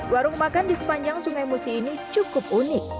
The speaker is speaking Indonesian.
warung makan di sepanjang sungai musi ini cukup unik